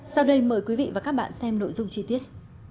sau đây mời quý vị và các bạn xem nội dung chi tiết